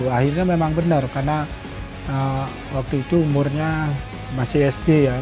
akhirnya memang benar karena waktu itu umurnya masih sd ya